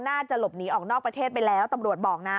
น่าจะหลบหนีออกนอกประเทศไปแล้วตำรวจบอกนะ